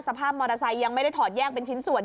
ภาพมอเตอร์ไซค์ยังไม่ได้ถอดแยกเป็นชิ้นส่วน